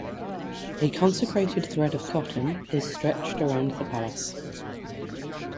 A consecrated thread of cotton is stretched around the palace.